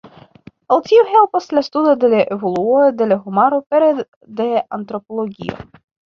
Al tio helpas la studo de la evoluo de la homaro pere de antropologio.